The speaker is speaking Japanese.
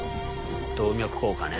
動脈硬化ね。